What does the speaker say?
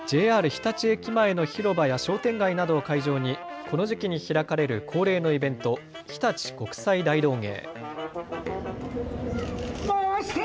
日立駅前の広場や商店街などを会場にこの時期に開かれる恒例のイベント、ひたち国際大道芸。